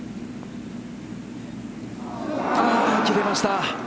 切れました。